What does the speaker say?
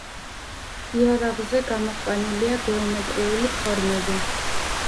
იარაღზე გამოყვანილია გეომეტრიული ფორმები.